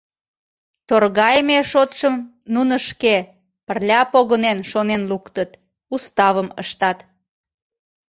Торгайыме шотшым нуно шке, пырля погынен, шонен луктыт, уставым ыштат.